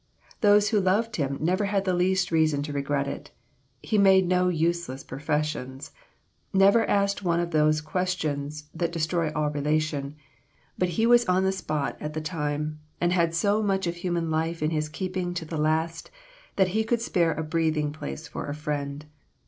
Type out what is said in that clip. Those who loved him never had the least reason to regret it. He made no useless professions, never asked one of those questions that destroy all relation; but he was on the spot at the time, and had so much of human life in his keeping to the last, that he could spare a breathing place for a friend.